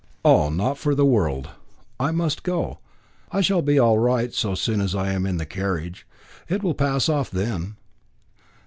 "Oh, not for the world! I must go. I shall be all right so soon as I am in the carriage. It will pass off then."